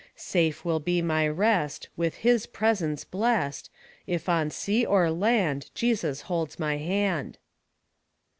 Safe will be my rest, AVith his presence blest, If on sea or land Jesus holds my hand."